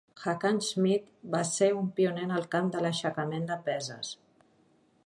Hackenschmidt va ser un pioner en el camp de l'aixecament de peses.